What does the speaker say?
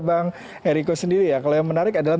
bang eriko sendiri ya kalau yang menarik adalah